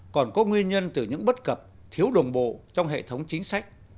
còn có nguyên nhân từ những bất cập thiếu đồng bộ trong hệ thống chính sách